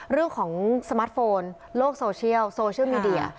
เรื่องของสมาร์ทโฟนโลกโซเชียลโซเชียลมีเดีย